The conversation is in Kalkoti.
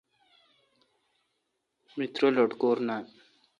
می ترہ لٹکور نان۔